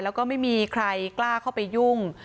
แล้วก็ไม่มีใครกล้าเข้าไปยุ่ง